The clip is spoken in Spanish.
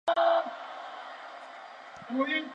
Es nativo de Cuba y la Hispaniola.